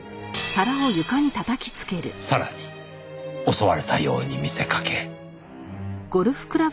さらに襲われたように見せかけ。